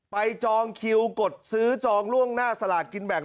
จองคิวกดซื้อจองล่วงหน้าสลากกินแบ่ง